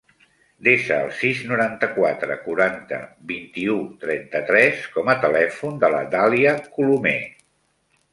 Desa el sis, noranta-quatre, quaranta, vint-i-u, trenta-tres com a telèfon de la Dàlia Colome.